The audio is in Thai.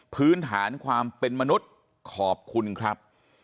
พื้นฐานความเป็นมนุษย์ขอบคุณครับ